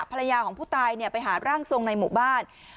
ภรรยาของผู้ตายไปหาร่างทรงในหมู่บ้าน